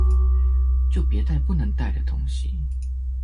就別帶不能帶的東西！